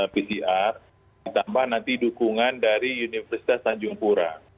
pcr ditambah nanti dukungan dari universitas tanjung pura